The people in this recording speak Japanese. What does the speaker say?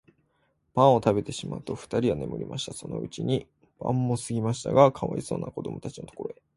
パンをたべてしまうと、ふたりは眠りました。そのうちに晩もすぎましたが、かわいそうなこどもたちのところへ、